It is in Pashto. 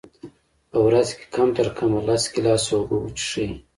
په ورځ کي کم ترکمه لس ګیلاسه اوبه وچیښئ